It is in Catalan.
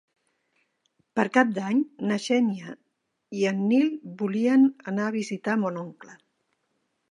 Per Cap d'Any na Xènia i en Nil volen anar a visitar mon oncle.